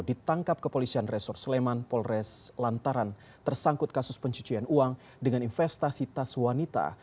ditangkap kepolisian resor sleman polres lantaran tersangkut kasus pencucian uang dengan investasi tas wanita